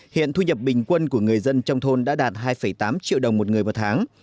hiện thu nhập bình quân của người dân trong thôn đã đạt hai tám triệu đồng một người một tháng